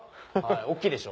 大きいでしょ？